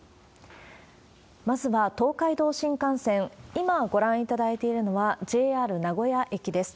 まずは東海道新幹線、今ご覧いただいているのは、ＪＲ名古屋駅です。